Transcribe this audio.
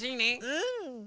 うん！